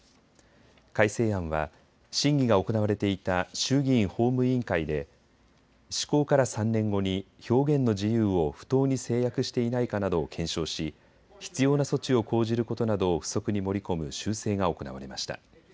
改正案は審議が行われていた衆議院法務委員会で施行から３年後に表現の自由を不当に制約していないかなどを検証し必要な措置を講じることなどを付則に盛り込む修正が行われました。